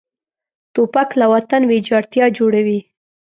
توپک له وطن ویجاړتیا جوړوي.